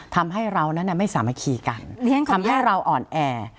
ทำให้เรานั้นไม่สามารถคีกันทำให้เราอ่อนแอ